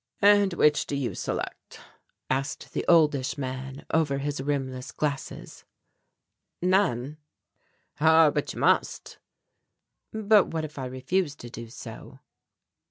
"And which do you select?" asked the oldish man over his rimless glasses. "None." "Ah, but you must." "But what if I refuse to do so?"